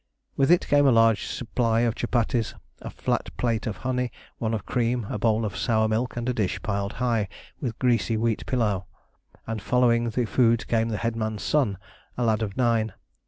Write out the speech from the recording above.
With it came a large supply of chupatties, a flat plate of honey, one of cream, a bowl of sour milk, and a dish piled high with greasy wheat pilau; and following the food came the headman's son a lad of nine.